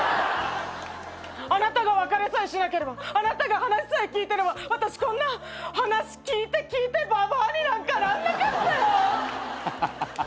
あなたが別れさえしなければあなたが話さえ聞いてれば私こんな話聞いて聞いてババアになんかなんなかったよ！